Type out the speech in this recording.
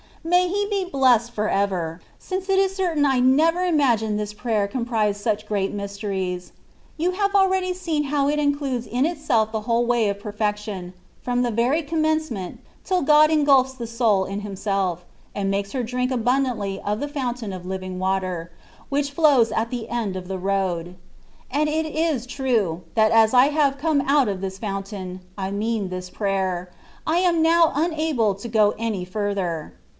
217 May He be blessed for ever, since it is certain I never imagined this prayer comprised such great mysteries. You have ahready seen how it includes in itself the whole way of perfection, froim the very commencement, till God engulfs the soul in Himself, and makes her drink abundantly of the fountain of Living Water, which flows at the end of the road : and it is true, that as I have come out of this fountain (I mean this prayer), I am now unable to go any further.